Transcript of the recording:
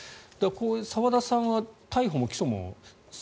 澤田さんは逮捕も起訴も。